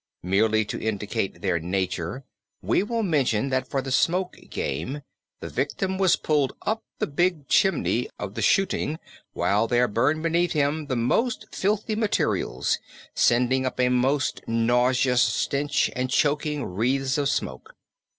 Merely to indicate their nature we will mention that for the smoke game the victim was pulled up the big chimney of the Schutting while there burned beneath him the most filthy materials, sending up a most nauseous stench and choking wreaths of smoke.